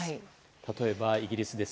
例えばイギリスです。